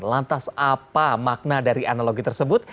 lantas apa makna dari analogi tersebut